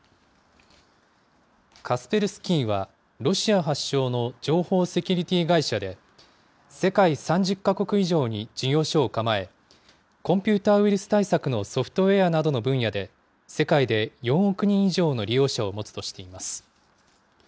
カスペルスキーは、ロシア発祥の情報セキュリティー会社で、世界３０か国以上に事業所を構え、コンピューターウイルス対策のソフトウエアなどの分野で、世界で４億人以上の利用者を持つとしています。